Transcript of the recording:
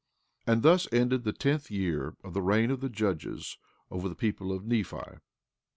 15:19 And thus ended the tenth year of the reign of the judges over the people of Nephi.